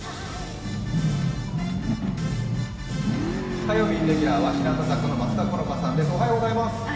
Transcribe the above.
火曜日レギュラーは日向坂４６の松田好花さんです。